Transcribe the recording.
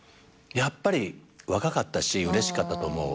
やっぱり若かったしうれしかったと思う